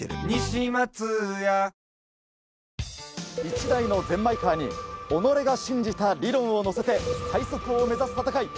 一台のゼンマイカーに己が信じた理論を乗せて最速を目指す戦い。